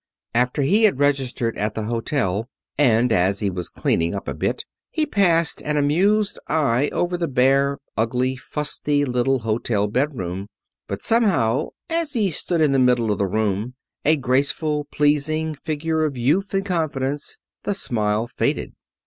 After he had registered at the hotel, and as he was cleaning up a bit, he passed an amused eye over the bare, ugly, fusty little hotel bedroom. But somehow, as he stood in the middle of the room, a graceful, pleasing figure of youth and confidence, the smile faded.